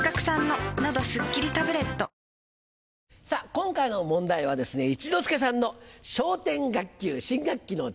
今回の問題は「一之輔さんの笑点学級新学期の誓い」。